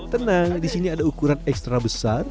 tenang di sini ada ukuran ekstra besar